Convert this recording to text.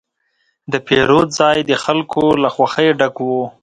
د پیرود ځای د خلکو له خوښې ډک و.